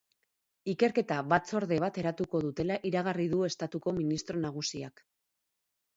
Ikerketa-batzorde bat eratuko dutela iragarri du estatuko ministro nagusiak.